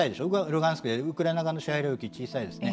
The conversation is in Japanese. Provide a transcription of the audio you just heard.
ルガンスクでウクライナ側の支配領域は小さいですね。